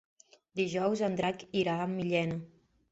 Dijous en Drac irà a Millena.